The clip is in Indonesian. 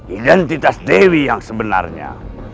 identitas dewi yang sebenarnya